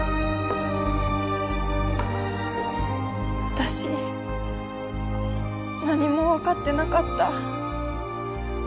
私何もわかってなかった。